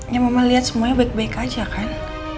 ya mama lihat semuanya baik baik aja kan